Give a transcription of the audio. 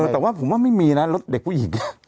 แต่ว่าผมว่าไม่มีนะรถเด็กผู้หญิง